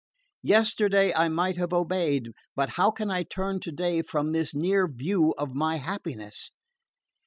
Yesterday I might have obeyed; but how can I turn today from this near view of my happiness?"